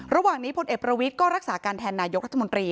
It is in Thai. ระหว่างนี้พลเอกประวิทย์ก็รักษาการแทนนายกรัฐมนตรี